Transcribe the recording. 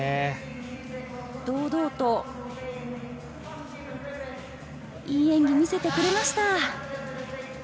堂々といい演技を見せてくれました。